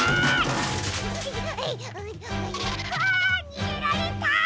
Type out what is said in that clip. にげられた！